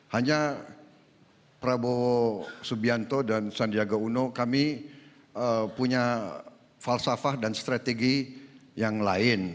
hanya prabowo subianto dan sandiaga uno kami punya falsafah dan strategi yang lain